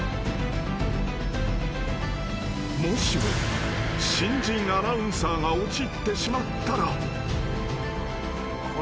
［もしも新人アナウンサーが陥ってしまったら］